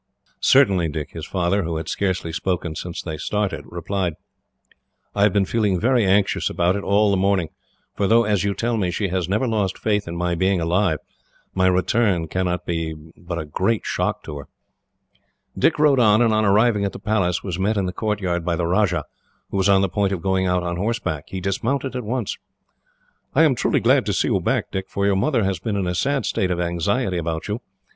"Certainly, Dick," his father, who had scarcely spoken since they started, replied. "I have been feeling very anxious about it, all the morning; for though, as you tell me, she has never lost faith in my being alive, my return cannot but be a great shock to her." Dick rode on, and on arriving at the palace was met in the courtyard by the Rajah, who was on the point of going out on horseback. He dismounted at once. "I am truly glad to see you back, Dick, for your mother has been in a sad state of anxiety about you.